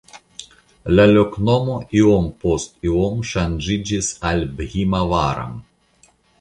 La loknomo iom post iom ŝanĝiĝis al "Bhimavaram".